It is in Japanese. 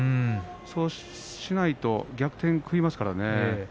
そうしないと逆転を食います。